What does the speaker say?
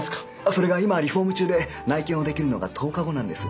それが今リフォーム中で内見をできるのが１０日後なんです。